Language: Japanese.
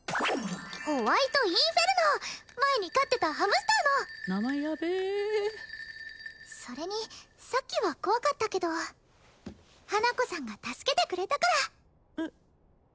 ホワイトインフェルノ前に飼ってたハムスターの名前やべっそれにさっきは怖かったけど花子さんが助けてくれたからえっ？